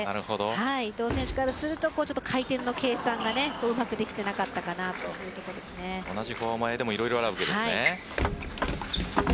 伊藤選手からすると回転の計算がうまくできていなかったな同じフォア前でもいろいろあるんですね。